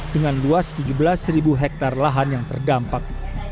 dengan luas tujuh belas hektare lahan yang terdampak